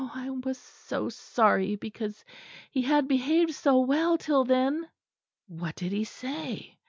I was so sorry; because he had behaved so well till then." "What did he say?"